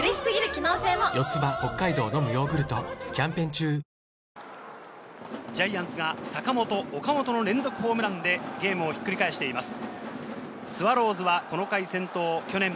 ２アウトからのエラーの中で、ランナーをジャイアンツが坂本、岡本の連続ホームランでゲームをひっくり返しています。